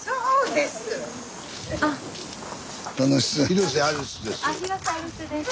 広瀬アリスです。